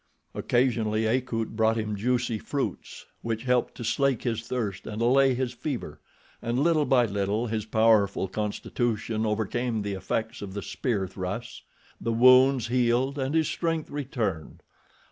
Occasionally Akut brought him juicy fruits which helped to slake his thirst and allay his fever, and little by little his powerful constitution overcame the effects of the spear thrusts. The wounds healed and his strength returned.